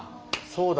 そうだ。